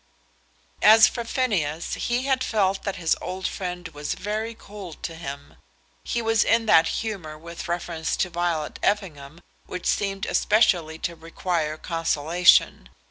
As for Phineas, he had felt that his old friend was very cold to him. He was in that humour with reference to Violet Effingham which seemed especially to require consolation.